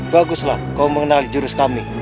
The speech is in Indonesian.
baguslah kau mengenal jurus kami